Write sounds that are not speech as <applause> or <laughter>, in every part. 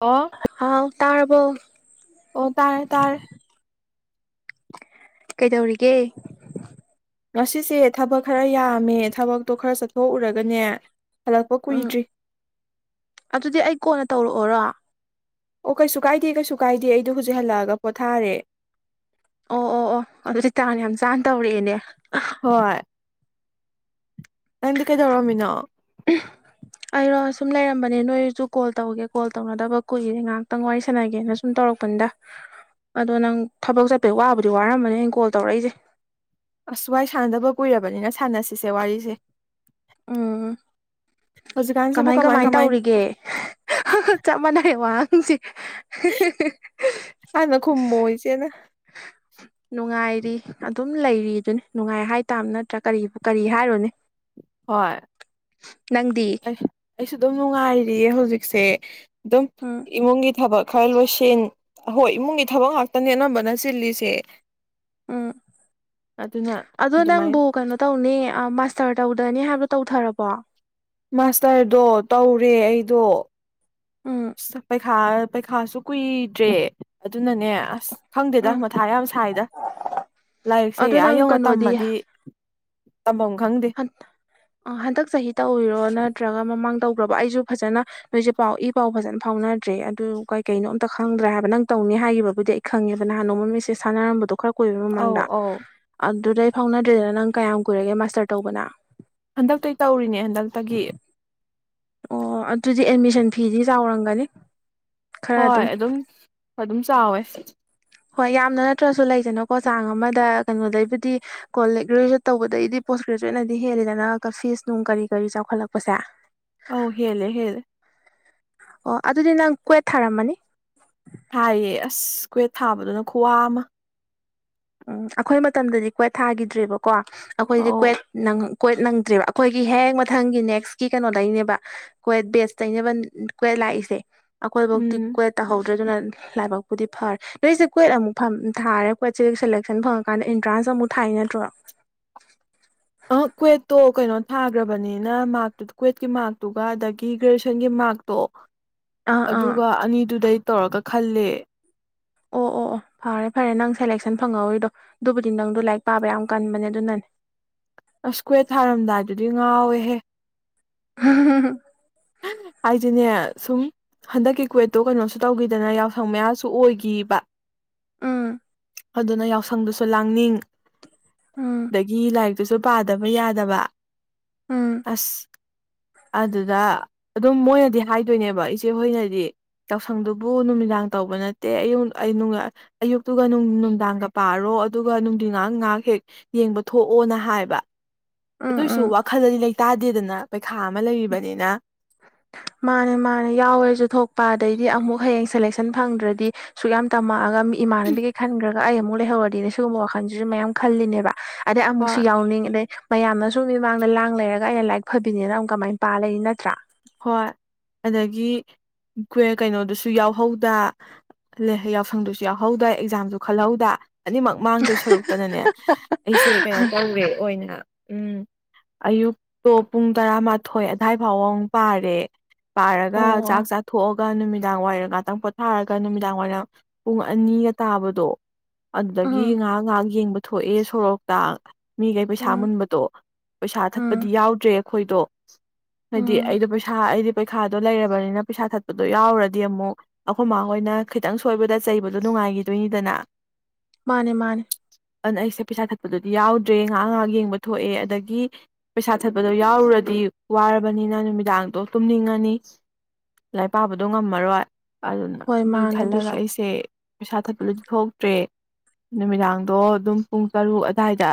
ꯑꯣ ꯍꯥꯎ ꯇꯔꯕꯣ ꯑꯣ ꯇꯥꯔꯦ ꯇꯥꯔꯦ ꯀꯩꯗꯧꯔꯤꯒꯦ ꯉꯁꯤꯁꯦ ꯊꯕꯛ ꯈꯔ ꯌꯥꯝꯃꯦ ꯊꯕꯛꯇꯣ ꯈꯔ ꯆꯠꯊꯣꯛꯎꯔꯒꯅꯦ ꯍꯜꯂꯛꯄ ꯎꯝ ꯀꯨꯏꯗ꯭ꯔꯤ ꯑꯗꯨꯗꯤ ꯑꯩ ꯀꯣꯟꯅ ꯇꯧꯔꯛꯑꯣꯔꯣ ꯑꯣ ꯀꯩꯁꯨ ꯀꯥꯏꯗꯦ ꯀꯩꯁꯨ ꯀꯥꯏꯗꯦ ꯑꯩꯗꯣ ꯍꯧꯖꯤꯛ ꯍꯜꯂꯛꯑꯒ ꯄꯣꯊꯥꯔꯦ ꯑꯣ ꯑꯣ ꯑꯣ ꯑꯗꯨꯗꯤ ꯆꯥꯡꯅꯦ ꯌꯥꯝ ꯆꯥꯅ ꯇꯧꯔꯛꯑꯦꯅꯦ ꯍꯣꯏ ꯅꯪꯗꯤ ꯀꯩꯗꯧꯔꯝꯃꯤꯅꯣ ꯎ ꯑꯩꯔꯣ ꯑꯁꯨꯝ ꯂꯩꯔꯝꯕꯅꯦ ꯅꯣꯏꯁꯨ ꯀꯣꯜ ꯇꯧꯒꯦ ꯀꯣꯜ ꯇꯧꯅꯗꯕ ꯀꯨꯏꯔꯦ ꯉꯥꯏꯍꯥꯛꯇꯪ ꯋꯥꯔꯤ ꯁꯥꯟꯅꯒꯦꯅ ꯁꯨꯝ ꯇꯧꯔꯛꯄꯅꯤꯗ ꯑꯗꯣ ꯅꯪ ꯊꯕꯛ ꯆꯠꯄꯩ ꯋꯥꯕꯨꯗꯤ ꯋꯥꯔꯝꯕꯅꯤ ꯑꯩꯅ ꯀꯣꯜ ꯇꯧꯔꯛꯏꯁꯦ ꯑꯁ ꯋꯥꯏ ꯁꯥꯟꯅꯗꯕ ꯀꯨꯏꯔꯕꯅꯤꯅ ꯁꯥꯟꯅꯁꯤꯁꯦ ꯋꯥꯔꯤꯁꯦ ꯎꯝ ꯀꯃꯥꯏ ꯀꯃꯥꯏ ꯇꯧꯔꯤꯒꯦ ꯆꯞ ꯃꯥꯟꯅꯔꯦ ꯋꯥꯍꯪꯁꯦ <unintelligible> ꯈꯨꯃꯃꯣ ꯏꯆꯦꯅ <inaudible> ꯅꯨꯡꯉꯥꯏꯔꯤ ꯑꯗꯨꯝ ꯂꯩꯔꯤꯗꯨꯅꯤ ꯅꯨꯡꯉꯥꯏ ꯍꯥꯏꯇꯥꯕ ꯅꯠꯇ꯭ꯔꯥ ꯀꯔꯤꯕ ꯀꯔꯤ ꯍꯥꯏꯔꯣꯅꯤ <unintelligible> ꯍꯣꯏ ꯑꯩ ꯑꯩꯁꯨ ꯑꯗꯨꯝ ꯅꯨꯡꯉꯥꯏꯔꯤꯌꯦ ꯍꯧꯖꯤꯛꯁꯦ ꯑꯗꯨꯝ ꯎꯝ ꯏꯃꯨꯡꯒꯤ ꯊꯕꯛ ꯈꯔ ꯂꯣꯏꯁꯟ ꯑꯍꯣꯏ ꯏꯃꯨꯡꯒꯤ ꯊꯕꯛ ꯉꯥꯛꯇꯅꯦ ꯑꯅꯝꯕꯅ ꯆꯤꯜꯂꯤꯁꯦ ꯎꯝ ꯑꯗꯨꯅ ꯑꯗꯨ ꯑꯗꯨꯃꯥꯏꯅ ꯅꯪꯕꯨ ꯀꯩꯅꯣ ꯇꯧꯅꯤ ꯑ ꯃꯥꯁꯇꯔ ꯇꯧꯗꯅꯤ ꯍꯥꯏꯕꯗꯣ ꯇꯧꯊꯔꯕꯣ ꯃꯥꯁꯇꯔꯗꯣ ꯇꯧꯔꯦ ꯑꯩꯗꯣ ꯎꯝ ꯄꯩꯈꯥ ꯄꯩꯈꯥꯁꯨ ꯀꯨꯏꯗ꯭ꯔꯦ ꯑꯗꯨꯅꯅꯦ ꯑꯁ ꯈꯪꯗꯦꯗ ꯎꯝ ꯃꯊꯥ ꯌꯥꯝ ꯁꯥꯏꯗ ꯂꯥꯏꯔꯤꯛꯁꯦ ꯑꯗꯣ ꯏꯍꯥꯛ ꯅꯪ ꯌꯧꯅ ꯀꯩꯅꯣꯗꯤ ꯇꯝꯃꯗꯤ ꯇꯝꯐꯝ ꯈꯪꯗꯦ ꯍꯟꯗꯛ ꯆꯍꯤ ꯇꯧꯕꯔꯤꯔꯣ ꯅꯠꯇ꯭ꯔꯒ ꯃꯃꯥꯡ ꯇꯧꯈ꯭ꯔꯕ ꯑꯩꯁꯨ ꯐꯖꯅ ꯅꯣꯏꯁꯦ ꯄꯥꯎꯢ ꯏꯄꯥꯎ ꯐꯖꯅ ꯐꯥꯎꯅꯗ꯭ꯔꯦ ꯑꯗꯨ ꯀꯩ ꯀꯩꯅꯣ ꯑꯝꯇ ꯈꯪꯗ꯭ꯔꯥ ꯍꯥꯏꯕ ꯅꯪ ꯇꯧꯅꯤ ꯍꯥꯏꯈꯤꯕꯕꯨꯗꯤ ꯈꯪꯉꯦꯗꯅ ꯅꯍꯥꯟ ꯅꯣꯡꯃ ꯃꯤꯁꯦꯖ ꯁꯥꯟꯅꯔꯝꯕꯗ ꯈꯔ ꯀꯨꯏꯕꯩ ꯑꯧ ꯃꯃꯥꯡꯗ ꯑꯧ ꯑꯗꯨꯗꯩ ꯑꯩ ꯐꯥꯎꯅꯗ꯭ꯔꯦꯗꯅ ꯅꯪ ꯀꯌꯥꯝ ꯀꯨꯏꯔꯒꯦ ꯃꯥꯁꯇꯔ ꯇꯧꯕꯅ ꯍꯟꯗꯛꯇꯩ ꯇꯧꯔꯤꯅꯦ ꯍꯟꯗꯛꯇꯒꯤ ꯑꯣ ꯑꯗꯨꯗꯤ ꯑꯦꯠꯃꯤꯁꯟ ꯐꯤꯗꯤ ꯆꯥꯎꯔꯝꯒꯅꯤ ꯍꯣꯏ ꯑꯗꯨꯝ ꯑꯗꯨꯝ ꯆꯥꯎꯋꯦ ꯍꯣꯏ ꯌꯥꯝꯅ ꯅꯠꯇ꯭ꯔꯁꯨ ꯂꯩꯗꯅ ꯀꯣ ꯆꯥꯡ ꯑꯃꯗ ꯀꯩꯅꯣꯗꯩꯕꯨꯗꯤ ꯀꯣ ꯂꯦꯛꯔꯤꯒ ꯇꯧꯕꯗꯩꯗꯤ ꯄꯣꯁ ꯒ꯭ꯔꯦꯖꯨꯋꯦꯠꯅꯗꯤ ꯍꯦꯜꯂꯤꯦꯗꯅ ꯐꯤꯁ ꯅꯨꯡ ꯀꯔꯤ ꯀꯔꯤ ꯆꯥꯎꯈꯠꯂꯛꯄꯁꯦ <inaudible> ꯑꯧ ꯍꯦꯂꯦ ꯍꯦꯂꯦ ꯑꯣ ꯑꯗꯨꯗꯤ ꯅꯪ ꯀꯣꯏꯠ ꯊꯔꯝ ꯃꯅꯤ ꯊꯥꯌꯦ ꯑꯁ ꯀ꯭ꯋꯦꯠ ꯊꯥꯕꯗꯨꯅ ꯈꯨꯋꯥ ꯑꯃ ꯎꯝ ꯑꯩꯈꯣꯏ ꯃꯇꯝꯗꯗꯤ ꯀ꯭ꯋꯦꯠ ꯊꯥꯈꯤꯗ꯭ꯔꯦꯕꯀꯣ ꯑꯩꯈꯣꯏꯗꯤ ꯑꯧ ꯀ꯭ꯋꯦꯠ ꯅꯪ ꯀꯣꯏꯠ ꯅꯪꯗ꯭ꯔꯦꯕ ꯑꯩꯈꯣꯏꯒꯤ ꯍꯦꯛ ꯃꯊꯪꯒꯤ ꯅꯦꯛꯁꯀꯤ ꯀꯩꯅꯣ ꯗꯩꯅꯦꯕ ꯀ꯭ꯣꯏꯠ ꯕꯦꯁ ꯇꯩꯅꯕ ꯀ꯭ꯋꯠ ꯂꯥꯛꯏꯁꯦ ꯑꯩꯈꯣꯏꯐꯥꯎꯗꯤ ꯎꯝ ꯀ꯭ꯋꯦꯠ ꯇꯥꯍꯧꯗ꯭ꯔꯦꯗꯨꯅ ꯂꯥꯏꯕꯛꯄꯨꯗꯤ ꯐꯔꯦ ꯅꯣꯏꯁꯦ ꯀ꯭ꯋꯦꯠ ꯑꯃꯨꯛ ꯐ ꯊꯥꯔꯦ ꯀ ꯆꯦ ꯁꯦꯂꯦꯛꯁꯟ ꯐꯪꯉꯀꯥꯟꯗ ꯑꯦꯟꯇ꯭ꯔꯥꯟꯁ ꯑꯃꯨꯛ ꯊꯥꯏ ꯅꯠꯇ꯭ꯔꯣ ꯑ ꯀ꯭ꯋꯦꯠꯇꯣ ꯀꯩꯅꯣ ꯊꯥꯈ꯭ꯔꯕꯅꯤꯅ ꯃꯥꯔꯛꯇꯨ ꯀ꯭ꯋꯦꯠꯀꯤ ꯃꯥꯔꯛꯇꯨꯒ ꯑꯗꯒꯤ ꯒ꯭ꯔꯦꯖꯨꯋꯦꯁꯟꯒꯤ ꯃꯥꯔꯛꯇꯣ <inaudible> ꯑꯥ ꯑꯗꯨꯒ ꯑꯅꯤꯗꯨꯗꯩ ꯇꯧꯔꯒ ꯈꯜꯂꯦ ꯑꯣ ꯑꯣ ꯑꯣ ꯐꯔꯦ ꯐꯔꯦ ꯅꯪ ꯁꯦꯂꯦꯛꯁꯟ ꯐꯪꯍꯧꯔꯤꯗꯣ ꯑꯗꯨꯕꯨꯗꯤ ꯅꯪꯗꯣ ꯂꯥꯏꯔꯤꯛ ꯄꯥꯕ ꯌꯥꯝ ꯀꯟꯕꯅꯦ ꯑꯗꯨꯅꯅꯦ ꯑꯁ ꯀ꯭ꯦꯠ ꯊꯥꯔꯝꯗꯥꯏꯗꯨꯗꯤ ꯉꯥꯎꯋꯦꯍꯦ <unintelligible> ꯑꯩꯁꯨꯅꯦ ꯁꯨꯝ ꯍꯟꯗꯛꯀꯤ ꯀꯨꯋꯦꯠꯇꯨ ꯀꯩꯅꯣꯁꯨ ꯇꯧꯈꯤꯗꯅ ꯌꯥꯎꯁꯪ ꯃꯌꯥꯁꯨ ꯑꯣꯏꯈꯤꯏꯕ ꯎꯥ ꯑꯗꯨꯅ ꯌꯥꯎꯁꯪꯗꯁꯨ ꯂꯥꯡꯅꯤꯡ ꯎꯝ ꯑꯗꯒꯤ ꯂꯥꯏꯔꯤꯛꯇꯨꯁꯨ ꯄꯥꯗꯕ ꯌꯥꯗꯕ ꯎꯝ ꯑꯁ ꯑꯗꯨꯗ ꯑꯗꯨꯝ ꯃꯣꯏꯅꯗꯤ ꯍꯥꯏꯗꯣꯏꯅꯦꯕ ꯏꯆꯦ ꯍꯣꯏꯅꯗꯤ ꯌꯥꯎꯁꯪꯗꯨꯕꯨ ꯅꯨꯃꯤꯗꯥꯡ ꯇꯧꯕ ꯅꯠꯇꯦ ꯑꯌ ꯑꯌꯨꯛꯇꯨꯒ ꯅꯨꯡꯗꯥꯡꯒ ꯄꯥꯔꯣ ꯑꯗꯨꯒ ꯅꯨꯡꯊꯤꯟ ꯉ ꯉꯥꯏꯍꯥꯛ ꯍꯦꯛ ꯌꯦꯡꯕ ꯊꯣꯛꯑꯣꯅ ꯍꯥꯏꯕ ꯎꯝ ꯑꯗꯨꯑꯣꯏꯁꯨ ꯎꯝ ꯋꯥꯈꯜ ꯑꯗꯤ ꯂꯩꯇꯥꯗꯦꯗꯅ ꯄꯩꯈꯥ ꯑꯃ ꯂꯩꯔꯤꯕꯅꯤꯅ ꯃꯥꯅꯦ ꯃꯥꯅꯦ ꯌꯥꯎꯋꯦꯁꯨ ꯊꯣꯛꯄ ꯑꯗꯩꯗꯤ ꯑꯃꯨꯛ ꯍꯌꯦꯡ ꯁꯦꯂꯦꯛꯁꯟ ꯐꯪꯗ꯭ꯔꯗꯤ ꯁꯨꯛ ꯌꯥꯝ ꯇꯝꯃꯛꯑꯒ ꯃꯤ ꯏꯃꯥꯟꯅꯕꯤꯈꯩ ꯈꯟꯈ꯭ꯔꯒ ꯑꯩ ꯑꯃꯨꯛ ꯂꯩꯍꯧꯔꯗꯤꯅꯦ ꯁꯤꯒꯨꯝꯕ ꯋꯥꯈꯜꯁꯤꯁꯨ ꯃꯌꯥꯝ ꯈꯜꯂꯤꯅꯦꯕ ꯑꯗꯩ ꯑꯃꯨꯛꯁꯨ ꯍꯣꯏ ꯌꯥꯎꯅꯤꯡ ꯑꯗꯩ ꯃꯌꯥꯝꯅ ꯁꯨꯝ ꯃꯤꯃꯥꯡꯗ ꯂꯥꯡ ꯂꯩꯔꯒ ꯑꯩꯅ ꯂꯥꯏꯔꯤꯛ ꯐꯕꯤꯅꯤꯅ ꯑꯗꯨꯝ ꯀꯃꯥꯏꯅ ꯄꯥ ꯂꯩꯅꯤ ꯅꯠꯇ꯭ꯔꯥ ꯍꯣꯏ ꯑꯗꯒꯤ ꯀꯩꯅꯣꯗꯨꯁꯨ ꯌꯥꯎꯍꯧꯗ ꯌꯥꯎꯁꯪꯗꯨꯁꯨ ꯌꯥꯎꯍꯧꯗ ꯑꯦꯛꯖꯥꯝꯁꯨ ꯈꯜꯍꯧꯗ ꯑꯅꯤꯃꯛ ꯃꯥꯡꯗꯣꯏ ꯁꯔꯨꯛꯇꯅꯅꯦ ꯑꯩꯁꯦ ꯀꯩꯅꯣ ꯇꯧꯋꯦ ꯑꯣꯏꯅ ꯎꯝ ꯑꯌꯨꯛꯇꯣ ꯄꯨꯡ ꯇꯔꯥꯃꯥꯊꯣꯏ ꯑꯗꯥꯏ ꯐꯥꯎꯕ ꯑꯃꯨ ꯄꯥꯔꯦ ꯄꯥꯔꯒ ꯆꯥꯛ ꯑꯣ ꯆꯥ ꯊꯣꯛꯑꯒ ꯅꯨꯃꯤꯗꯥꯡ ꯋꯥꯏꯔꯝ ꯉꯥꯛꯇꯪ ꯄꯣꯊꯥꯔꯒ ꯅꯨꯃꯤꯗꯥꯡ ꯋꯥꯏꯔꯝ ꯄꯨꯡ ꯑꯅꯤꯒ ꯇꯥꯕꯗꯣ ꯑꯗꯨꯗꯒꯤ ꯎꯝ ꯉꯥꯏꯍꯥꯛ ꯉꯥꯏꯍꯥꯛ ꯌꯦꯡꯕ ꯊꯣꯛꯑꯦ ꯁꯣꯔꯣꯛꯇ ꯃꯤꯈꯩ ꯄꯩꯁꯥ ꯎꯝ ꯃꯨꯟꯕꯗꯣ ꯄꯩꯁꯥ ꯊꯛꯄꯗꯤ ꯎꯝ ꯌꯥꯎꯗ꯭ꯔꯦ ꯑꯩꯈꯣꯏꯗꯣ ꯍꯥꯏꯗꯤ ꯎꯝ ꯑꯩꯗꯣ ꯄꯩꯁꯥ ꯑꯩꯗꯤ ꯄꯩꯈꯥꯗꯣ ꯂꯩꯔꯕꯅꯤꯅ ꯄꯩꯁꯥ ꯊꯠꯄꯗꯣ ꯌꯥꯎꯔꯗꯤ ꯑꯃꯨꯛ ꯑꯩꯈꯣꯏ ꯃꯥ ꯍꯣꯏꯅ ꯈꯤꯇꯪ ꯁꯣꯏꯕꯗ ꯆꯩꯕꯗꯣ ꯅꯨꯡꯉꯥꯏꯈꯤꯗꯣꯏꯅꯤꯗꯅ ꯃꯥꯅꯦ ꯃꯥꯅꯦ ꯑꯗꯨꯅ ꯑꯩꯁꯦ ꯄꯩꯁꯥ ꯊꯠꯄꯗꯨꯗꯤ ꯌꯥꯎꯗ꯭ꯔꯦ ꯉꯥꯍꯥꯛ ꯉꯥꯍꯥꯛ ꯌꯦꯡꯕ ꯊꯣꯛꯑꯦ ꯑꯗꯥꯒꯤ ꯄꯩꯁꯥ ꯊꯠꯄꯗꯣ ꯌꯥꯎꯔꯨꯔꯗꯤ ꯋꯥꯔꯕꯅꯤꯅ ꯅꯨꯃꯤꯠ ꯅꯨꯃꯤꯗꯥꯡꯗꯣ ꯇꯨꯝꯅꯤꯡꯉꯅꯤ ꯂꯥꯏꯔꯤꯛ ꯄꯥꯕꯗꯣ ꯉꯝꯃꯔꯣꯏ ꯑꯗꯨꯅ ꯍꯣꯏ ꯑꯗꯨꯒꯤ ꯃꯥꯅꯦ ꯈꯜꯂꯒ ꯑꯗꯨꯁꯨ ꯑꯩꯁꯦ ꯄꯩꯁꯥ ꯊꯠꯄꯗꯗꯤ ꯊꯣꯛꯇ꯭ꯔꯦ ꯅꯨꯃꯤꯗꯥꯡꯗꯣ ꯑꯗꯨꯝ ꯄꯨꯡ ꯇꯔꯨꯛ ꯑꯗꯥꯏꯗ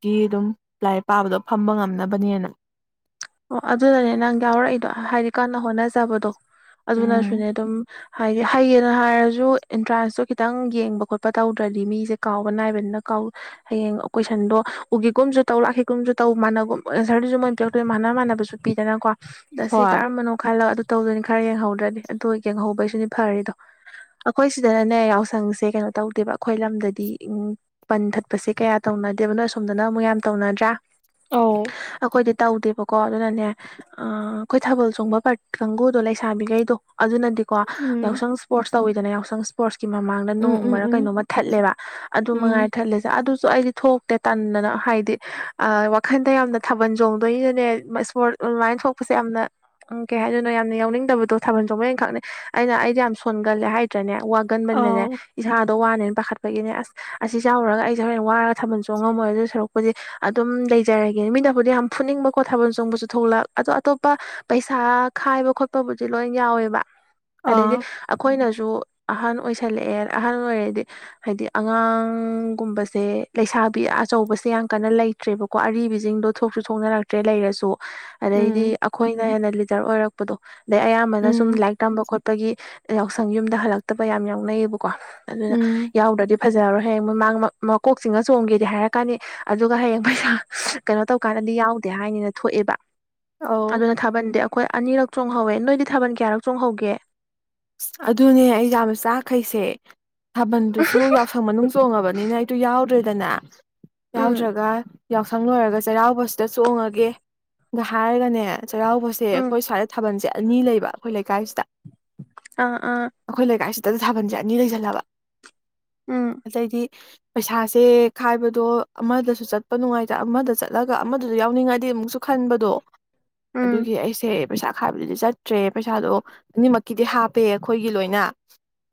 ꯒꯤ ꯑꯗꯨꯝ ꯂꯥꯏꯔꯤꯛ ꯄꯥꯕꯗꯣ ꯐꯝꯕ ꯉꯝꯅꯕꯅꯦꯅ ꯑꯣ ꯑꯗꯨꯅꯅꯦ ꯅꯪ ꯌꯥꯎꯔꯛꯏꯗꯣ ꯍꯥꯏꯗꯤ ꯀꯟꯅ ꯍꯣꯠꯅꯖꯕꯗꯣ ꯎꯝ ꯑꯗꯨꯅꯁꯨꯅꯦ ꯑꯗꯨꯝ ꯍꯥꯏꯗꯤ ꯍꯩꯌꯦꯅ ꯍꯥꯏꯔꯁꯨ ꯑꯦꯟꯇ꯭ꯔꯥꯟꯁꯇꯣ ꯈꯤꯇꯪ ꯌꯦꯡꯕ ꯈꯣꯠꯄ ꯇꯧꯗ꯭ꯔꯗꯤ ꯃꯤꯁꯦ ꯀꯥꯎꯕ ꯅꯥꯏꯕꯅꯤꯅ ꯀꯥꯎ ꯍꯌꯦꯡ ꯀꯣꯏꯁꯟꯗꯣ ꯎꯒꯤꯒꯨꯝꯁꯨ ꯇꯧ ꯂꯥꯛꯈꯤꯒꯨꯝꯁꯨ ꯇꯧ ꯃꯥꯅꯒꯨꯝ ꯑꯦꯟꯁꯔꯗꯨꯁꯨ ꯃꯣꯏ ꯄꯤꯔꯛꯇꯣꯏꯗꯣ ꯃꯥꯅꯥ ꯃꯥꯅꯥꯕꯁꯨ ꯄꯤꯗꯅꯀꯣ ꯑꯂꯤ ꯍꯣꯏ ꯀꯔꯝꯕꯅꯣ ꯈꯜꯂꯒ ꯇꯧꯗꯣꯏꯅꯤ ꯈꯔ ꯌꯦꯡꯍꯧꯗ꯭ꯔꯗꯤ ꯑꯗꯨ ꯌꯦꯡꯍꯧꯕꯩꯁꯨꯅꯤ ꯐꯔꯤꯗꯣ ꯑꯩꯈꯣꯏ ꯁꯤꯗꯅꯅꯦ ꯌꯥꯎꯁꯪꯁꯦ ꯀꯩꯅꯣ ꯇꯧꯗꯦꯕ ꯑꯩꯈꯣꯏ ꯂꯝꯗꯗꯤ ꯎꯝ ꯕꯟ ꯊꯠꯄꯁꯦ ꯀꯌꯥ ꯇꯧꯅꯗꯦꯕ ꯅꯣꯁ ꯑꯁꯣꯝꯗꯅ ꯑꯃꯨꯛ ꯌꯥꯝ ꯇꯧꯅꯗ꯭ꯔꯥ ꯑꯧ ꯑꯩꯈꯣꯏꯗꯤ ꯇꯧꯗꯦ ꯑꯣꯕꯀꯣ ꯑꯗꯨꯅꯅꯦ ꯑꯩꯈꯣꯏ ꯊꯥꯕꯜ ꯆꯣꯡꯕ ꯄꯥꯔ ꯀꯥꯡꯒꯨꯗꯣ ꯂꯩꯁꯥꯕꯤꯈꯩꯗꯣ ꯑꯗꯨꯅꯗꯤꯀꯣ ꯎꯝ ꯌꯥꯎꯁꯪ ꯏꯁꯄꯣꯔꯠꯁ ꯇꯧꯋꯤꯗꯅ ꯌꯥꯎꯁꯪ ꯏꯁꯄꯣꯔꯠꯁꯀꯤ ꯃꯃꯥꯡꯗ ꯎꯝ ꯎꯝ ꯅꯣꯡꯃꯔ ꯎꯝ ꯀꯩꯅꯣꯃ ꯊꯠꯂꯦꯕ ꯑꯗꯨ ꯎꯝ ꯃꯉꯥꯏꯔꯦ ꯊꯠꯂꯤꯁꯦ ꯑꯗꯨꯁꯨ ꯑꯩꯗꯤ ꯊꯣꯛꯇꯦ ꯇꯟꯗꯅ ꯍꯥꯏꯗꯤ ꯈꯣꯗꯦ ꯌꯥꯝꯅ ꯊꯥꯕꯜ ꯆꯣꯡꯗꯣꯏꯅꯦ ꯏꯁꯄꯣꯔꯠ ꯑꯗꯨꯃꯥꯏꯟ ꯁꯣꯛꯄꯁꯦ ꯌꯥꯝꯅ ꯎꯝ ꯀꯩ ꯍꯥꯏꯗꯣꯏꯅꯣ ꯌꯥꯝꯅ ꯌꯥꯎꯅꯤꯡꯗꯕꯗꯣ ꯊꯥꯕꯜ ꯆꯣꯡꯕꯩ ꯈꯥꯛꯅꯤꯡꯕ ꯑꯩꯅ ꯑꯩꯗꯤ ꯌꯥꯝ ꯁꯣꯟꯒꯜꯂꯦ ꯍꯥꯏꯦ ꯅꯇ꯭ꯔꯥꯅꯦ ꯋꯥꯒꯟꯕꯅꯤꯅꯅꯦ ꯑꯥꯎ ꯏꯁꯥꯗꯣ ꯋꯥꯅꯦꯅ ꯄꯥꯈꯠꯄꯒꯤꯅꯦ ꯑꯁ ꯑꯁꯤ ꯆꯥꯔꯨꯔꯒ ꯑꯩꯁꯦ ꯍꯣꯔꯦꯟ ꯋꯥꯔꯒ ꯊꯥꯕꯜ ꯆꯣꯡꯉꯝꯃꯣꯏ ꯑꯗꯨꯏ ꯁꯔꯨꯛꯄꯨꯗꯤ ꯑꯗꯨꯝ ꯂꯩꯖꯔꯒꯦ ꯃꯤꯅꯕꯨꯗꯤ ꯌꯥꯝ ꯐꯨꯅꯤꯡꯕ ꯈꯣꯠ ꯊꯥꯕꯜ ꯆꯣꯡꯕꯁꯨ ꯊꯣꯛꯂꯛ ꯑꯗꯣ ꯑꯇꯣꯞꯄ ꯄꯩꯁꯥ ꯈꯥꯏꯕ ꯈꯣꯠꯄꯕꯨꯗꯤ ꯂꯣꯏ ꯌꯥꯎꯋꯦꯕ ꯑꯗꯩꯗꯤ ꯑꯥ ꯑꯩꯈꯣꯏꯅꯁꯨ ꯑꯍꯟ ꯑꯣꯏꯁꯜꯂꯛꯑꯦ ꯑꯍꯜ ꯑꯣꯏꯔꯗꯤ ꯍꯥꯏꯗꯤ ꯑꯉꯥꯡꯒꯨꯝꯕꯁꯦ ꯂꯩꯁꯥꯕꯤ ꯑꯆꯧꯕꯁꯦ ꯌꯥꯝ ꯀꯟꯅ ꯂꯩ ꯂꯩꯗ꯭ꯔꯦꯕꯀꯣ ꯑꯔꯤꯕꯤꯁꯤꯡꯗꯣ ꯊꯣꯛꯁꯨ ꯊꯣꯛꯅꯔꯛꯇ꯭ꯔꯦ ꯂꯩꯔꯁꯨ ꯑꯗꯩꯗꯤ ꯎꯝ ꯑꯩꯈꯣꯏꯅ ꯍꯦꯟꯅ ꯂꯤꯗꯔ ꯑꯣꯏꯔꯛꯄ ꯗꯣ ꯑꯗꯩ ꯑꯌꯥꯝꯕꯅ ꯁꯨꯝ ꯎꯝ ꯂꯥꯏꯔꯤꯛ ꯇꯝꯕ ꯈꯣꯠꯄꯒꯤ ꯌꯥꯎꯁꯪ ꯌꯨꯝꯗ ꯍꯜꯂꯛꯇꯕ ꯌꯥꯝꯅ ꯌꯥꯎꯅꯩꯌꯦꯕ ꯀꯣ ꯑꯗꯨꯅ ꯎꯝ ꯌꯥꯎꯗꯗꯤ ꯐꯖꯔꯣꯏ ꯍꯌꯦꯡ ꯃꯃꯥꯡ ꯃꯀꯣꯛ ꯆꯤꯡꯉ ꯆꯣꯡꯒꯦꯗꯤ ꯍꯥꯏꯔꯛꯀꯥꯅꯤ ꯑꯗꯨꯒ ꯍꯌꯦꯡ ꯄꯩꯁꯥ ꯀꯩꯅꯣ ꯇꯧꯀꯥꯟꯗꯗꯤ ꯌꯥꯎ ꯍꯥꯏꯅꯤꯅ ꯊꯣꯛꯑꯦꯕ ꯑꯧ ꯑꯗꯨꯅ ꯊꯥꯕꯜꯗꯤ ꯑꯩꯈꯣꯏ ꯑꯅꯤꯔꯛ ꯆꯣꯡꯍꯧꯋꯦ ꯅꯣꯏꯗꯤ ꯊꯥꯕꯜ ꯀꯌꯥꯔꯛ ꯆꯣꯡꯍꯧꯒꯦ ꯑꯗꯨꯅꯦ ꯑꯩ ꯌꯥꯝꯅ ꯆꯥꯈꯩꯁꯦ ꯊꯥꯕꯜꯗꯨꯁꯨ ꯌꯥꯎ ꯌꯥꯎꯁꯪ ꯃꯅꯨꯡ ꯆꯣꯡꯉꯕꯅꯤꯅ ꯑꯩꯗꯣ ꯌꯥꯎꯗ꯭ꯔꯦꯗꯅ ꯎꯝ ꯌꯥꯎꯗ꯭ꯔꯒ ꯌꯥꯎꯁꯪ ꯂꯣꯏꯔꯒ ꯆꯩꯔꯥꯎꯕꯁꯤꯗ ꯆꯣꯡꯉꯒꯦ ꯅ ꯍꯥꯏꯔꯒꯅꯦ ꯆꯩꯔꯥꯎꯕꯁꯦ ꯎꯝ ꯑꯩꯈꯣꯏ ꯁ꯭ꯋꯥꯏꯗ ꯊꯥꯕꯜꯁꯦ ꯑꯅꯤ ꯂꯩꯕ ꯑꯩꯈꯣꯏ ꯂꯩꯀꯥꯏꯁꯤꯗ ꯑꯥ ꯑꯥ ꯑꯩꯈꯣꯏ ꯂꯩꯀꯥꯏꯁꯤꯗ ꯊꯥꯕꯜꯁꯦ ꯑꯅꯤ ꯂꯩꯁꯜꯂꯕ ꯎꯝ ꯑꯗꯩꯗꯤ ꯄꯩꯁꯥꯁꯦ ꯈꯥꯏꯕꯗꯣ ꯑꯃꯗꯁꯨ ꯆꯠꯄ ꯅꯨꯡꯉꯥꯏꯇ ꯑꯃꯗ ꯆꯠꯂꯒ ꯑꯃꯗꯁꯨ ꯌꯥꯎꯅꯤꯡꯉꯛꯑꯗꯤ ꯑꯃꯨꯛꯁꯨ ꯈꯟꯕꯗꯣ ꯎꯝ ꯑꯗꯨꯒꯤ ꯑꯩꯁꯦ ꯄꯩꯁꯥ ꯈꯥꯏꯕꯗꯨꯗꯤ ꯆꯠꯇ꯭ꯔꯦ ꯄꯩꯁꯥꯗꯣ ꯑꯅꯤꯃꯛ ꯀꯤꯗꯤ ꯍꯥꯞꯄꯦ ꯑꯩꯈꯣꯏꯒꯤ ꯂꯣꯏꯅ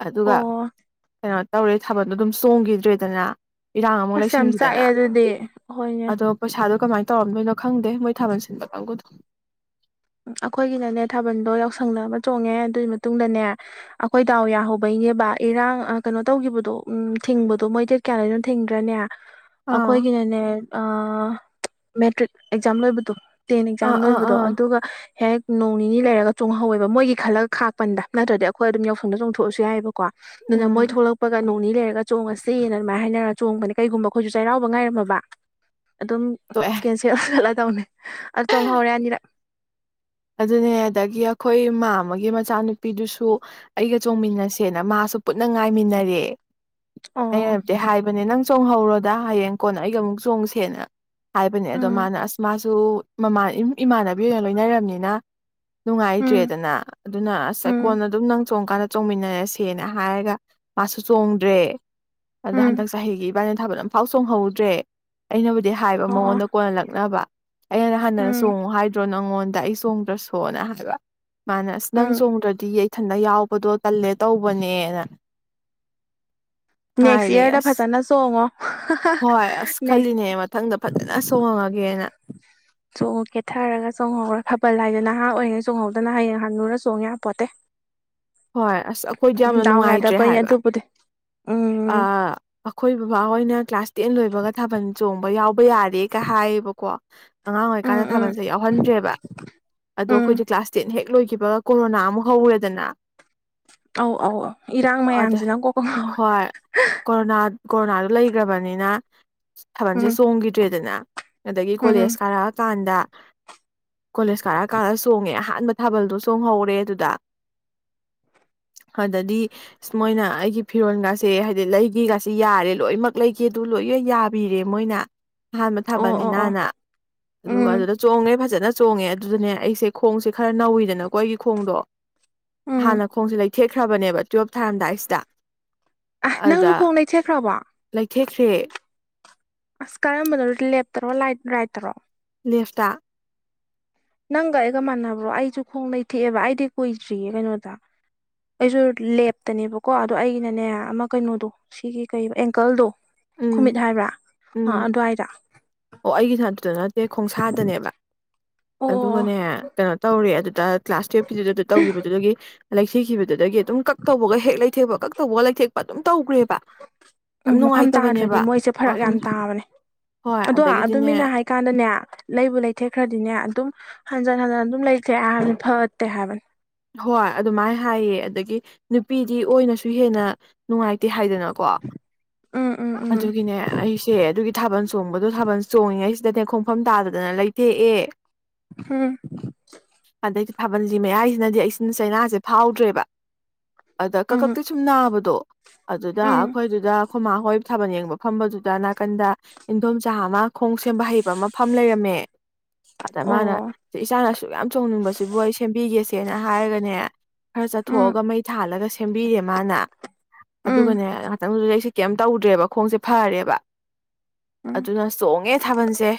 ꯑꯗꯨꯒ ꯑꯣ ꯀꯩꯅꯣ ꯇꯧꯔꯦ ꯊꯥꯕꯜꯗꯣ ꯑꯗꯨꯝ ꯆꯣꯡꯒꯤꯗ꯭ꯔꯦꯗꯅ ꯏꯔꯥꯡ ꯑꯃꯨꯛ ꯑꯁ ꯌꯥꯝ ꯂꯩꯏꯁꯤꯟꯈꯤꯗꯅ ꯆꯥꯛꯑꯦ ꯑꯗꯨꯗꯤ ꯍꯣꯏꯅꯦ ꯑꯗꯣ ꯄꯩꯁꯥꯗꯣ ꯀꯃꯥꯏꯅ ꯇꯧꯔꯝꯗꯣꯏꯅꯣ ꯈꯪꯗꯦ ꯃꯣꯏ ꯊꯥꯕꯜ ꯁꯤꯟꯕ ꯀꯥꯡꯕꯨꯗꯣ ꯑꯩꯈꯣꯏꯒꯤꯅꯅꯦ ꯊꯥꯕꯜꯗꯣ ꯌꯥꯎꯁꯪꯗ ꯑꯃꯥꯑ ꯆꯣꯡꯉꯦ ꯑꯗꯨꯒꯤ ꯃꯇꯨꯡꯗꯅꯦ ꯑꯩꯈꯣꯏ ꯗꯥꯎ ꯌꯥꯍꯧꯕꯩꯅꯦꯕ ꯏꯔꯥꯡ ꯀꯩꯅꯣ ꯇꯧꯈꯤꯕꯗꯣ ꯎ ꯊꯤꯡꯕꯗꯣ ꯃꯣꯏ ꯗꯦꯠ ꯀꯌꯥꯈꯩꯅꯣ ꯊꯤꯡꯗ꯭ꯔꯅꯦ ꯑꯥ ꯑꯩꯈꯣꯏꯒꯤꯅꯅꯦ ꯑ ꯃꯦꯇ꯭ꯔꯤꯛ ꯑꯦꯛꯖꯥꯝ ꯂꯣꯏꯕꯗꯣ ꯇꯦꯟ ꯑꯦꯛꯖꯥꯝ ꯑꯥ ꯑꯥ ꯂꯣꯏꯕꯗꯣ ꯑꯥ ꯑꯗꯨꯒ ꯍꯦꯛ ꯅꯣꯡ ꯅꯤꯅꯤ ꯂꯩꯔꯒ ꯆꯣꯡꯍꯧꯋꯦꯕ ꯃꯣꯏꯒꯤ ꯈꯜꯂꯒ ꯈꯥꯛꯄꯅꯤꯗ ꯅꯠꯇ꯭ꯔꯗꯤ ꯑꯩꯈꯣꯏ ꯑꯗꯨꯝ ꯌꯥꯎꯁꯪꯗ ꯆꯣꯡꯊꯣꯛꯑꯁꯨ ꯌꯥꯏꯕ ꯀꯣ ꯑꯗꯨꯅ ꯃꯣꯏ ꯎꯝ ꯊꯣꯛꯂꯛꯄꯒ ꯅꯣꯡꯅꯤ ꯂꯩꯔꯒ ꯆꯣꯡꯉꯁꯤꯅ ꯑꯗꯨꯃꯥꯏꯅ ꯍꯥꯏꯅꯔꯒ ꯆꯣꯡꯕꯅꯦ ꯀꯩꯒꯨꯝꯕ ꯑꯩꯈꯣꯏꯁꯨ ꯆꯩꯔꯥꯎꯕ ꯉꯥꯏꯔꯝꯃꯕ ꯑꯗꯨꯝ ꯇꯣꯛꯑꯦ ꯑꯁꯤ ꯆꯠꯂ ꯇꯧꯅꯤ ꯑ ꯆꯣꯡꯍꯥꯎꯔꯦ ꯑꯅꯤꯔꯛ ꯑꯗꯨꯅꯦ ꯑꯗꯒꯤ ꯑꯩꯈꯣꯏ ꯃꯥꯝꯃꯒꯤ ꯃꯆꯥꯅꯨꯄꯤꯗꯨꯁꯨ ꯑꯩꯒ ꯆꯣꯡꯃꯤꯟꯅꯁꯦꯅ ꯃꯥꯁꯨ ꯄꯨꯟꯅ ꯉꯥꯏꯃꯤꯟꯅꯔꯦ ꯑꯣ ꯑꯩꯅꯕꯨꯗꯤ ꯍꯥꯏꯕꯅꯤ ꯅꯪ ꯆꯣꯡꯍꯧꯔꯣꯗ ꯍꯌꯦꯡ ꯀꯣꯟꯅ ꯑꯩꯒ ꯑꯃꯨꯛ ꯆꯣꯡꯁꯦꯅ ꯍꯥꯏꯕꯅꯦ ꯑꯗꯣ ꯎꯝ ꯃꯥꯅ ꯑꯁ ꯃꯥꯁꯨ ꯏꯃꯥꯟꯅꯕꯤ ꯑꯣꯏꯅ ꯂꯣꯏꯅꯔꯕꯅꯤꯅ ꯎꯝ ꯅꯨꯡꯉꯥꯏꯇ꯭ꯔꯦꯗꯅ ꯑꯗꯨꯅ ꯑꯁ ꯎꯝ ꯀꯣꯟꯅ ꯑꯗꯨꯝ ꯅꯪ ꯆꯣꯡꯀꯥꯟꯗ ꯆꯣꯡꯃꯤꯟꯅꯔꯁꯦꯅ ꯍꯥꯏꯔꯒ ꯃꯥꯁꯨ ꯆꯣꯡꯗ꯭ꯔꯦ ꯑꯗꯣ ꯎꯝ ꯍꯟꯗꯛ ꯆꯍꯤꯒꯤ ꯏꯕꯥꯏꯅꯤ ꯊꯥꯕꯜ ꯑꯃꯐꯥꯎ ꯆꯣꯡꯍꯧꯗ꯭ꯔꯦ ꯑꯩꯅꯕꯨꯗꯤ ꯍꯥꯏꯕ ꯑꯣ ꯃꯉꯣꯟꯗ ꯀꯣꯟꯅ ꯂꯛꯅꯕ ꯑꯩꯅ ꯍꯟꯗꯅ ꯎꯝ ꯆꯣꯡꯉꯨ ꯍꯥꯏꯗ꯭ꯔꯣ ꯅꯪꯉꯣꯟꯗ ꯑꯩ ꯆꯣꯡꯗ꯭ꯔꯁꯨꯅ ꯍꯥꯏꯕ ꯃꯥꯅ ꯑꯁ ꯅꯪ ꯎꯝ ꯆꯣꯡꯗ꯭ꯔꯗꯤ ꯏꯊꯟꯗ ꯌꯥꯎꯕꯗꯣ ꯇꯜꯂꯦ ꯇꯧꯕꯅꯦꯅ ꯅꯦꯛꯁ ꯍꯥꯏꯔꯦ ꯏꯌꯥꯔꯗ ꯑꯁ ꯐꯖꯅ ꯆꯣꯡꯉꯣ ꯍꯣꯏ ꯑꯁ ꯅꯦꯛꯁ ꯈꯜꯂꯤꯅꯦ ꯃꯊꯪꯗ ꯐꯖꯅ ꯆꯣꯡꯉꯒꯦꯅ <inaudible> ꯆꯣꯡꯉꯣ ꯀꯦꯊꯔꯒ ꯆꯣꯡꯍꯧꯔꯦ ꯊꯥꯕꯜ ꯍꯥꯏꯁꯦ ꯅꯍꯥ ꯑꯣꯏꯔꯤꯉꯩ ꯆꯣꯡꯍꯧꯗꯅ ꯍꯌꯦꯡ ꯍꯥꯟꯅꯨꯔ ꯆꯣꯡ ꯌꯥꯄꯣꯠꯇꯦ ꯍꯣꯏ ꯑꯁ ꯑꯩꯈꯣꯏꯗꯤ ꯌꯥꯝꯅ ꯗꯥꯎ ꯅꯨꯡꯉꯥꯏꯇ꯭ꯔꯦ ꯌꯥꯗꯕꯩꯅꯦ ꯍꯥꯏꯕ ꯑꯗꯨꯕꯨꯗꯤ ꯎꯝ ꯑꯩꯈꯣꯏ ꯕꯕꯥ ꯍꯣꯏꯅ ꯀ꯭ꯂꯥꯁ ꯇꯦꯟ ꯂꯣꯏꯕꯒ ꯊꯥꯕꯜ ꯆꯣꯡꯕ ꯌꯥꯎꯕ ꯌꯥꯔꯦꯒ ꯍꯥꯏꯌꯦꯕꯀꯣ ꯑꯉꯥꯡ ꯎꯝ ꯑꯣꯏꯔꯤꯀꯥꯟꯗ ꯎꯝ ꯊꯥꯕꯜꯁꯦ ꯌꯥꯎꯍꯟꯗ꯭ꯔꯦꯕ ꯑꯗꯣ ꯎꯝ ꯑꯩꯈꯣꯏꯗꯤ ꯀ꯭ꯂꯥꯁ ꯇꯦꯟ ꯍꯦꯛ ꯂꯣꯏꯈꯤꯕꯒ ꯀꯣꯔꯣꯅꯥ ꯑꯃꯨꯛ ꯍꯧꯔꯦꯗꯦꯅ ꯑꯧ ꯑꯧ ꯑꯧ ꯏꯔꯥꯡ ꯑꯗ ꯃꯌꯥꯝꯁꯤꯅ ꯉꯥꯎꯋꯦ ꯍꯣꯏ ꯀꯣꯔꯣꯅꯥ ꯀꯣꯔꯣꯅꯥꯗꯨ ꯂꯩꯈ꯭ꯔꯕꯅꯤꯅ ꯊꯥꯕꯜꯁꯦ ꯎꯝ ꯆꯣꯡꯈꯤꯗ꯭ꯔꯦꯗꯅ ꯑꯗꯒꯤ ꯀꯣꯂꯦꯖ ꯎꯝ ꯀꯥꯔꯛꯑꯀꯥꯟꯗ ꯀꯣꯂꯦꯖ ꯀꯥꯔꯛꯑꯀꯥꯟꯗ ꯆꯣꯡꯉꯦ ꯑꯍꯥꯟꯕ ꯊꯥꯕꯜꯗꯣ ꯆꯣꯡꯍꯧꯔꯦ ꯑꯗꯨꯗ ꯑꯗꯗꯤ ꯃꯣꯏꯅ ꯑꯩꯒꯤ ꯐꯤꯔꯣꯜꯒꯥꯁꯦ ꯍꯥꯏꯗꯤ ꯂꯩꯒꯦꯒꯁꯤ ꯌꯥꯔꯦ ꯂꯣꯏꯅꯃꯛ ꯂꯩꯒꯦ ꯑꯗꯨ ꯂꯣꯏꯅ ꯌꯥꯕꯤꯔꯦ ꯃꯣꯏꯅ ꯑꯍꯥꯟꯕ ꯑꯣ ꯑꯣ ꯑꯣ ꯊꯥꯕꯜꯅꯤꯅꯥꯅ ꯑꯗꯨꯒ ꯎꯝ ꯑꯗꯨꯗ ꯆꯣꯡꯉꯦ ꯐꯖꯅ ꯆꯣꯡꯉꯦ ꯑꯗꯨꯗꯅꯦ ꯑꯩꯁꯦ ꯈꯣꯡꯁꯦ ꯈꯔ ꯅꯧꯋꯤꯗꯅꯀꯣ ꯑꯩꯒꯤ ꯈꯣꯡꯗꯣ ꯎꯝ ꯍꯥꯟꯅ ꯈꯣꯡꯁꯦ ꯂꯩꯊꯦꯛꯈ꯭ꯔꯕꯅꯦꯕ ꯇꯨꯌꯦꯜꯞ ꯊꯥꯔꯝꯗꯥꯏꯁꯤꯗ ꯑ ꯅꯪꯁꯨ ꯑꯗꯨꯗ ꯈꯣꯡ ꯂꯩꯊꯦꯛꯈ꯭ꯔꯕꯣ ꯂꯩꯊꯦꯛꯈ꯭ꯔꯦ ꯑꯁ ꯀꯔꯝꯕꯅꯣ ꯂꯦꯞꯇꯔꯣ ꯂꯥꯏꯠ ꯔꯥꯏꯠꯠꯇꯔꯣ ꯂꯦꯐꯇ ꯅꯪꯒ ꯑꯩꯒ ꯃꯥꯟꯅꯕ꯭ꯔꯣ ꯑꯩꯁꯨ ꯈꯣꯡ ꯂꯩꯩꯊꯦꯛꯑꯦꯕ ꯑꯩꯗꯤ ꯀꯨꯏꯗ꯭ꯔꯤꯌꯦ ꯀꯩꯅꯣꯗ ꯑꯩꯁꯨ ꯂꯦꯞꯇꯅꯦꯕꯀꯣ ꯑꯗꯣ ꯑꯩꯩꯅꯅꯦ ꯑꯃ ꯀꯩꯅꯣꯗꯣ ꯁꯤꯒꯤ ꯀꯩ ꯑꯦꯡꯀꯜꯗꯣ ꯈꯨꯃꯤꯠ ꯎꯝ ꯍꯥꯏꯕ꯭ꯔꯥ ꯑ ꯎꯝ ꯑꯗꯨꯋꯥꯏꯗ ꯑꯣ ꯑꯩꯒꯤꯅ ꯑꯗꯨꯗ ꯅꯠꯇꯦ ꯈꯣꯡꯁꯥꯗꯅꯦꯕ ꯑꯣ ꯑꯣ ꯑꯣ ꯑꯗꯨꯒꯅꯦ ꯀꯩꯅꯣ ꯇꯧꯔꯦ ꯑꯗꯨꯗ ꯀ꯭ꯂꯥꯁ ꯇꯨꯌꯦꯐꯀꯤꯗꯨꯗꯨ ꯇꯧꯈꯤꯕꯗꯨꯗꯒꯤ ꯂꯩꯊꯤꯈꯤꯕꯗꯨꯗꯒꯤ ꯑꯗꯨꯝ ꯀꯛ ꯇꯧꯕꯒ ꯍꯦꯛ ꯂꯩꯊꯦꯛꯄ ꯀꯛ ꯇꯧꯕꯒ ꯂꯩꯊꯦꯛ ꯑꯗꯨꯝ ꯇꯧꯈ꯭ꯔꯦꯕ ꯎꯝ ꯌꯥꯝ ꯃꯐꯝ ꯇꯥꯗ꯭ꯔꯗꯤ ꯅꯨꯡꯉꯥꯏꯇꯕꯅꯦꯕ ꯃꯣꯏꯁꯦ ꯐꯔꯛ ꯃꯐꯝ ꯌꯥꯝ ꯇꯥꯕꯅꯦ ꯍꯣꯏ ꯑꯗꯣ ꯑꯗꯒꯤꯗꯤꯅꯦ ꯑꯗꯨꯃꯤꯅ ꯀꯥꯟꯗꯅꯦ ꯂꯩꯕꯨ ꯂꯩꯊꯦꯛꯈ꯭ꯔꯗꯤꯅꯦ ꯑꯗꯨꯝ ꯍꯟꯖꯤꯟ ꯍꯟꯖꯤꯟ ꯑꯗꯨꯝ ꯂꯩꯊꯦꯛꯑꯦ ꯍꯥꯏꯕꯅꯤ ꯐꯒꯠꯇꯦ ꯍꯥꯏꯕꯅꯤ ꯍꯣꯏ ꯑꯗꯨꯃꯥꯏꯅ ꯍꯥꯏꯌꯦ ꯑꯗꯒꯤ ꯅꯨꯄꯤꯗꯤ ꯑꯣꯏꯅꯁꯨ ꯍꯦꯟꯅ ꯅꯨꯡꯉꯥꯏꯇꯦ ꯍꯥꯏꯗꯅꯀꯣ ꯎꯝ ꯎꯝ ꯎꯝ ꯑꯗꯨꯒꯤꯅꯦ ꯑꯩꯁꯦ ꯑꯗꯨꯒꯤ ꯊꯥꯕꯜ ꯆꯣꯡꯕꯗꯣ ꯊꯥꯕꯜ ꯆꯣꯡꯉꯤꯉꯩꯁꯤꯗꯅꯦ ꯈꯣꯡ ꯃꯐꯝ ꯇꯥꯗꯗꯅ ꯂꯩꯊꯦꯛꯑꯦ ꯍꯝ ꯑꯗꯩꯗꯤ ꯊꯥꯕꯜꯂꯤ ꯃꯌꯥꯏꯁꯤꯅꯗꯤ ꯑꯩꯁꯤꯅ ꯆꯩꯅꯥꯁꯦ ꯐꯥꯎꯗ꯭ꯔꯦꯕ ꯑꯗ ꯎꯝ ꯀꯛꯀꯛꯇꯤ ꯁꯨꯝ ꯅꯥꯕꯗꯣ ꯑꯗꯨꯗ ꯎꯝ ꯑꯩꯈꯣꯏꯗꯨꯗ ꯈꯨꯃꯥ ꯍꯣꯏ ꯊꯥꯕꯜ ꯌꯦꯡꯕ ꯐꯝꯕꯗꯨꯗ ꯅꯥꯀꯟꯗ ꯏꯗꯣꯝꯆꯥ ꯑꯃ ꯈꯣꯡ ꯁꯦꯝꯕ ꯍꯩꯕ ꯑꯃꯐꯝꯝ ꯂꯩꯔꯝꯃꯦ ꯑꯗ ꯃꯥꯅ ꯑꯣ ꯁꯤ ꯏꯆꯥꯅ ꯁꯨꯛ ꯌꯥꯝ ꯆꯣꯡꯅꯤꯡꯕꯁꯤꯕꯨ ꯑꯩ ꯁꯦꯝꯕꯤꯒꯦꯁꯦꯅ ꯍꯥꯏꯔꯒꯅꯦ ꯈꯔ ꯎꯝ ꯆꯠꯊꯣꯛꯑꯒ ꯃꯩ ꯊꯥꯜꯂꯒ ꯁꯦꯝꯕꯤꯔꯦ ꯃꯥꯅ ꯎꯝ ꯑꯗꯨꯒꯅꯦ ꯉꯥꯛꯇꯪꯗꯨꯗ ꯀꯩꯝ ꯇꯧꯗ꯭ꯔꯦꯕ ꯈꯣꯡꯁꯦ ꯐꯔꯦꯕ ꯎꯝ ꯑꯗꯨꯅ ꯆꯣꯡꯉꯦ ꯊꯥꯕꯜꯁꯦ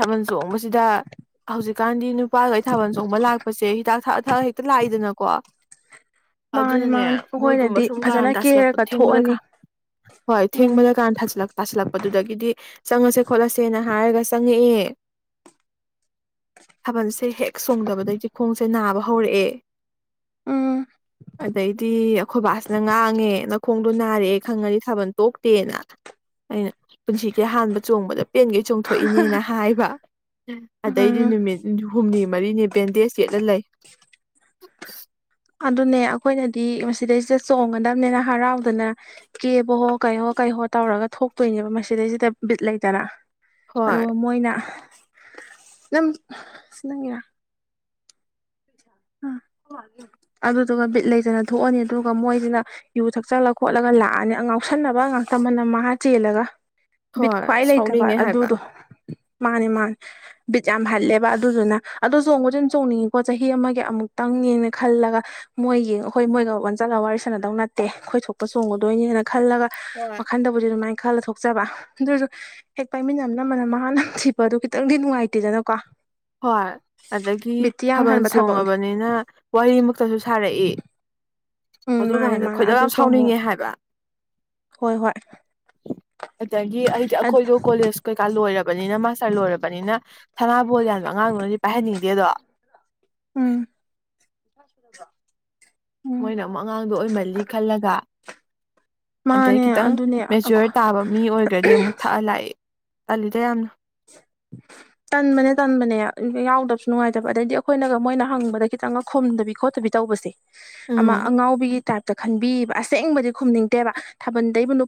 ꯊꯥꯕꯜ ꯆꯣꯡꯕꯁꯤꯗ ꯍꯧꯖꯤꯛꯀꯥꯟꯗꯤ ꯅꯨꯄꯥꯈꯩ ꯊꯥꯕꯜ ꯆꯣꯡꯕ ꯂꯥꯛꯄꯁꯦ ꯍꯤꯗꯥꯛꯊ ꯍꯦꯛꯇ ꯂꯥꯛꯏꯗꯅꯀꯣ ꯃꯥꯅꯤ ꯑꯗꯨꯅꯅꯦ ꯃꯥꯅꯤ ꯃꯣꯏꯒꯨꯝꯕ ꯑꯩꯈꯣꯏꯅꯗꯤ ꯁꯨꯝ ꯀꯥ ꯐꯖꯅ ꯇꯥꯁꯤꯜꯂꯛꯄ ꯀꯦꯔꯒ ꯊꯦꯡꯕꯗ ꯀꯥ ꯊꯣꯛꯑꯅꯤ ꯍꯣꯏ ꯊꯦꯡꯕꯗ ꯎꯝ ꯀꯥꯟꯅ ꯊꯜ ꯇꯥꯁꯤꯜꯂꯛꯄꯗꯨꯗꯒꯤꯗꯤ ꯆꯪꯉꯁꯦ ꯈꯣꯠꯂꯁꯦꯅ ꯍꯥꯏꯔꯒ ꯆꯪꯉꯛꯑꯦ ꯊꯥꯕꯜꯁꯦ ꯍꯦꯛ ꯁꯣꯡꯗꯕꯗꯒꯤꯗꯤ ꯈꯣꯡꯁꯦ ꯅꯥꯕ ꯍꯧꯔꯛꯑꯦ ꯎꯝ ꯑꯗꯩꯗꯤ ꯑꯩꯈꯣꯏ ꯕꯥꯁꯤꯅ ꯉꯥꯡꯉꯦ ꯈꯣꯡꯗꯣ ꯅꯥꯔꯛ ꯈꯪꯉꯗꯤ ꯁꯥꯕꯜ ꯇꯣꯛꯇꯦꯅ ꯑꯩꯅ ꯄꯨꯟꯁꯤꯒꯤ ꯍꯍꯥꯟꯕ ꯆꯣꯡꯕꯗ ꯄꯦꯟꯒꯩ ꯆꯣꯡ ꯊꯣꯛꯣꯛꯏꯅꯦꯅ ꯍꯥꯏꯕ ꯎꯝ ꯑꯗꯩꯗꯤ ꯅꯨꯃꯤꯠ ꯍꯨꯝꯅꯤ ꯃꯔꯤꯅꯤ ꯕꯦꯟꯗꯦꯖ ꯀꯦꯠꯂ ꯂꯩ ꯑꯗꯨꯅꯦ ꯑꯩꯈꯣꯏꯅꯗꯤ ꯃꯁꯤꯗꯩꯁꯤꯗ ꯆꯣꯡꯒꯗꯕꯅꯤꯅ ꯍꯔꯥꯎꯗꯅ ꯀꯦꯕꯍꯣ ꯀꯩꯍꯣ ꯀꯩꯍꯣ ꯇꯧꯔꯒ ꯊꯣꯛꯇꯣꯏꯅꯦꯕ ꯃꯁꯤꯗꯩꯁꯤꯗ ꯕꯤꯠ ꯂꯩꯗꯅ ꯑ ꯍꯣꯏ ꯃꯣꯏꯅ ꯅꯪ ꯁꯤ ꯅꯪꯒꯤꯔꯥ ꯎ ꯑꯗꯨꯗꯨꯒ ꯕꯤꯠ ꯂꯩꯇꯅ ꯊꯣꯛꯑꯅꯤ ꯑꯗꯨꯒ ꯃꯣꯏꯁꯤꯅ ꯌꯨ ꯊꯛꯆꯜꯂ ꯈꯣꯠꯂꯒ ꯂꯥꯛꯑꯅꯤ ꯉꯥꯎꯁꯟꯅꯕ ꯉꯥꯛꯇꯃꯟꯅ ꯃꯍꯥ ꯆꯦꯜꯂꯒ ꯕꯤꯠ ꯍꯣꯏ ꯈ꯭ꯋꯥꯏ ꯂꯩꯇꯕ ꯁꯥꯎꯅꯤꯡꯉꯦ ꯍꯥꯏꯕ ꯑꯗꯨꯗꯣ ꯃꯥꯅꯦ ꯃꯥꯅꯤ ꯕꯤꯠ ꯌꯥꯝ ꯍꯜꯂꯦꯕ ꯑꯗꯨꯗꯨꯅ ꯑꯗꯣ ꯆꯣꯡꯕꯁꯨ ꯑꯗꯨ ꯆꯣꯡꯅꯤꯡꯉꯤꯀꯣ ꯆꯍꯤ ꯑꯃꯒꯤ ꯀꯦ ꯑꯃꯨꯛꯇꯪꯅꯦꯡꯅ ꯈꯜꯂꯒ ꯃꯣꯏꯒꯤ ꯑꯩꯈꯣꯏ ꯃꯣꯏꯒ ꯑꯣꯟ ꯆꯠꯂꯒ ꯋꯥꯔꯤ ꯁꯥꯟꯅꯗꯧ ꯅꯠꯇꯦ ꯈꯣꯏꯊꯣꯛꯄ ꯆꯣꯡꯉꯗꯣꯏꯅꯦꯅ ꯈꯜꯂꯒ ꯍꯣꯏ ꯋꯥꯈꯟꯗꯕꯨꯗꯤ ꯑꯗꯨꯃꯥꯏꯅ ꯈꯜꯂ ꯊꯣꯛꯆꯕ ꯑꯗꯨꯁꯨ ꯍꯦꯛ ꯄꯥꯏꯃꯤꯟꯅ ꯅꯝꯕꯅ ꯃꯍꯅ ꯁꯤꯄ ꯑꯗꯨ ꯈꯤꯇꯪꯗꯤ ꯅꯨꯡꯉꯥꯏꯇꯦꯗꯅꯀꯣ ꯍꯣꯏ ꯑꯗꯒꯤ ꯕꯤꯠꯇꯤ ꯌꯥꯝ ꯊꯥꯕꯜ ꯍꯟꯕ ꯊꯕꯛꯅꯦ ꯆꯣꯡꯉꯕꯅꯤꯅ ꯋꯥꯔꯤꯃꯛꯇꯁꯨ ꯁꯥꯔꯛꯏ ꯎꯝ ꯑꯗꯨ ꯃꯥꯅꯦ ꯀꯥꯟꯗ ꯃꯥꯅꯦ ꯈꯣꯏꯗ ꯌꯥꯝ ꯑꯗꯨꯁꯨ ꯑꯃꯨꯛ ꯁꯥꯎꯅꯤꯡꯉꯦ ꯍꯥꯏꯕ ꯍꯣꯏ ꯍꯣꯏ ꯑꯗꯒꯤ ꯑꯩꯗꯤ ꯑꯩꯈꯣꯏꯗꯣ ꯀꯣꯂꯦꯖ ꯀꯩꯀꯥ ꯂꯣꯏꯔꯕꯅꯤꯅ ꯃꯥꯁꯇꯔ ꯂꯣꯏꯔꯕꯅꯤꯅ ꯁꯅꯥꯕꯣ ꯌꯥ ꯑꯉꯥꯡꯗꯨꯅꯗꯤ ꯄꯥꯏꯍꯟꯅꯤꯡꯗꯦꯗꯣ ꯎꯝ ꯎꯝ ꯃꯣꯏꯅ ꯑꯃꯨꯛ ꯑꯉꯥꯡꯗꯣ ꯑꯣꯏꯃꯜꯂꯤ ꯈꯜꯂꯒ ꯑꯗꯩ ꯃꯥꯅꯦ ꯈꯤꯇꯪ ꯑꯗꯨꯅꯦ ꯃꯦꯆ꯭ꯌꯣꯔ ꯇꯥꯕ ꯃꯤ ꯑꯣꯏꯈ꯭ꯔꯗꯤ ꯑꯃꯨꯛ ꯊꯛꯑ ꯂꯥꯛꯏ ꯇꯂꯤꯗ ꯌꯥꯝꯅ <unintelligible> ꯇꯟꯕꯅꯦ ꯇꯟꯕꯅꯦ ꯌꯥꯎꯗꯕꯁꯨ ꯅꯨꯡꯉꯥꯏꯇꯕ ꯑꯗꯩꯗꯤ ꯑꯩꯈꯣꯏꯅꯒ ꯃꯣꯏꯅ ꯍꯪꯕꯗ ꯈꯤꯇꯪꯒ ꯈꯣꯝꯗꯕꯤ ꯈꯣꯠꯇꯕꯤ ꯇꯧꯕꯁꯦ ꯑꯃ ꯎꯝ ꯑꯉꯥꯎꯕꯤꯒꯤ ꯇꯥꯏꯞꯇ ꯈꯟꯕꯤꯕ ꯑꯁꯦꯡꯕꯗꯤ ꯈꯨꯝꯅꯤꯡꯗꯦꯕ ꯊꯥꯕꯜꯗꯩꯕꯨ ꯅꯨ